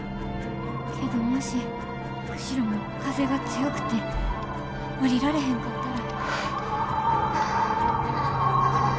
けどもし釧路も風が強くて降りられへんかったら。